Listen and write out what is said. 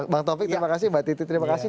bang taufik terima kasih mbak titi terima kasih